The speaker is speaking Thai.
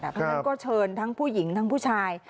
เพราะฉะนั้นก็เชิญทั้งผู้หญิงทั้งผู้ชาย